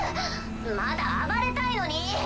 まだ暴れたいのに！